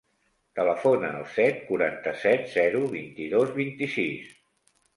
Telefona al set, quaranta-set, zero, vint-i-dos, vint-i-sis.